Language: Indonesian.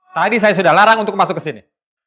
tadi saya sudah larang untuk masuk kesini